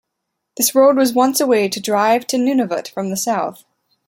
This road was once a way to drive to Nunavut from the South.